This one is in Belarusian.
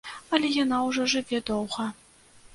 Але яна ўжо жыве доўга.